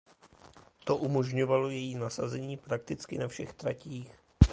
To umožňovalo její nasazení prakticky na všech tratích.